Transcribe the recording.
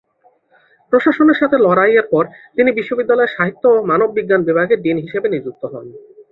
প্রশাসনের সাথে লড়াইয়ের পর, তিনি বিশ্ববিদ্যালয়ের সাহিত্য ও মানব বিজ্ঞান বিভাগের ডিন হিসেবে নিযুক্ত হন।